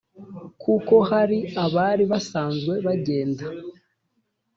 kuko hari abari basanzwe bagenda.